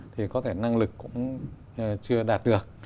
thì có thể năng lực cũng chưa đạt được